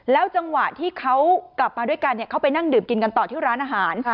จังหวะที่เขากลับมาด้วยกันเขาไปนั่งดื่มกินกันต่อที่ร้านอาหาร